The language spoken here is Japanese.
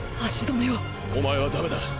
お前はダメだ！！